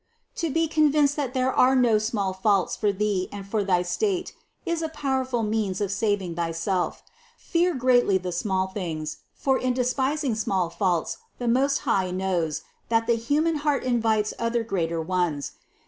To be convinced that there are no small faults for thee and for thy state, is a powerful means of saving thyself; fear greatly the small things, for in despising small faults the Most High knows, that the human heart invites other greater ones.